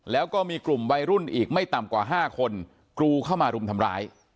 แล้วก็มีกลุ่มวัยรุ่นอีกไม่ต่ำกว่า๕คนกรูเข้ามารุมทำร้าย